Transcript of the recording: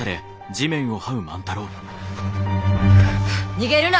逃げるな！